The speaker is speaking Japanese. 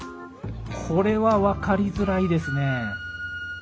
これは分かりづらいですね。